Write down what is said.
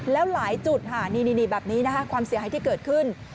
แล้วหลายจุดค่ะนี่แบบนี้นะคะความเสียหายที่เกิดขึ้น